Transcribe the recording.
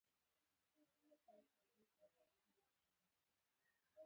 دومره تود هرکلی نه و شوی.